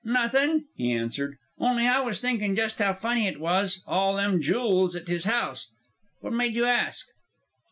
"Nothin'," he answered. "Only I was thinkin' just how funny it was all them jools at his house. What made you ask?"